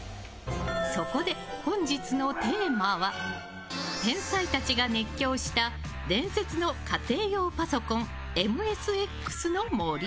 そこで、本日のテーマは天才たちが熱狂した伝説の家庭用パソコンＭＳＸの森。